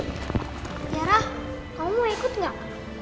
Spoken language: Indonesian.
tiara kamu mau ikut nggak